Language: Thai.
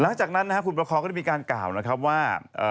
หลังจากนั้นนะครับคุณประคอก็ได้มีการกล่าวนะครับว่า